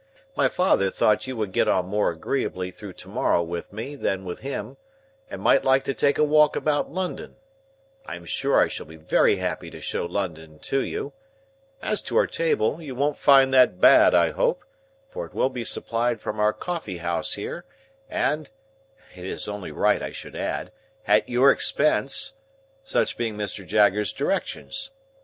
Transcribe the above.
My father thought you would get on more agreeably through to morrow with me than with him, and might like to take a walk about London. I am sure I shall be very happy to show London to you. As to our table, you won't find that bad, I hope, for it will be supplied from our coffee house here, and (it is only right I should add) at your expense, such being Mr. Jaggers's directions.